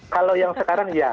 kalau yang sekarang iya